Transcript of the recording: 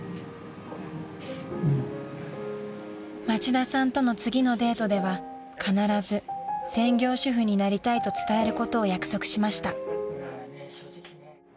［町田さんとの次のデートでは必ず専業主婦になりたいと伝えることを約束しました］